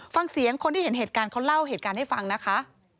ฟังเสียงคนที่เห็นเหตุการณ์เขาเล่าเหตุการณ์ให้ฟังนะคะ